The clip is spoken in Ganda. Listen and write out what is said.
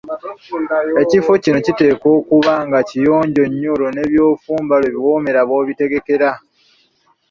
Ekifo kino kiteekwa okuba nga kiyonjo nnyo olwo ne byofumba lwe biwoomera b‘obitegekera.